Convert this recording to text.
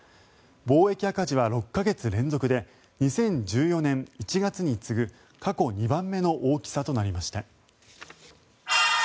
貿易赤字は６か月連続で２０１４年１月に次ぐ過去２番目の大きさとなりました。